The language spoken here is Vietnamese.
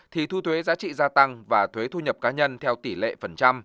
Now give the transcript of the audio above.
thì thu thuế giá trị gia tăng và thuế thu nhập cá nhân theo tỷ lệ phần trăm